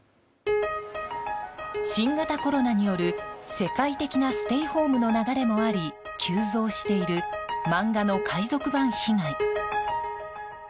新型コロナによる、世界的なステイホームの流れもあり急増している漫画の海賊版被害。